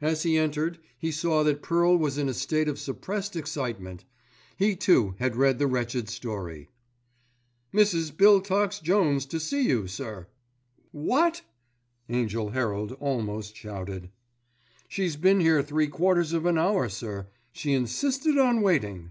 As he entered he saw that Pearl was in a state of suppressed excitement. He too had read the wretched story. "Mrs. Biltox Jones to see you, sir." "What?" Angell Herald almost shouted. "She's been here three quarters of an hour, sir. She insisted on waiting."